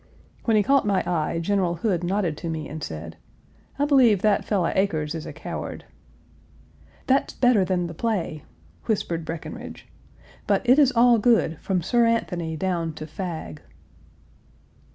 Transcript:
When he caught my eye, General Hood nodded to me and said, "I believe that fellow Acres is a coward." "That's better than the play," whispered Breckinridge, "but it is all good from Sir Anthony down to Fag."